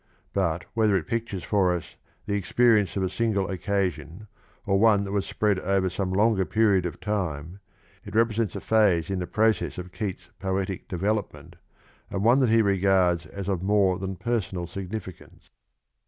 But whether it pictures for us the experience of a single occasion, or one that was spread over some longer period of time, it represents a phase in the process of Keats's poetic development, and one that he regards as of more than personal significance.